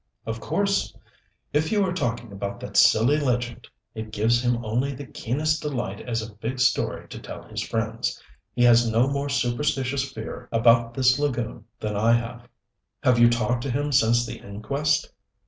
"Of course. If you are talking about that silly legend it gives him only the keenest delight as a big story to tell his friends. He has no more superstitious fear about this lagoon than I have." "Have you talked to him since the inquest?"